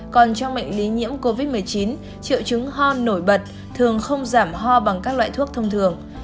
còn trong bệnh lý nhiễm covid một mươi chín triệu chứng ho nổi bật thường không giảm ho bằng các loại thuốc thông thường